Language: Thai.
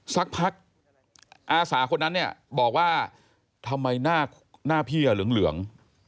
สักพักอาสาคนนั้นเนี่ยบอกว่าทำไมหน้าพี่เหลือง